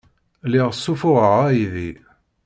Lliɣ ssuffuɣeɣ aydi.